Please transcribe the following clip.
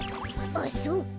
あっそうか。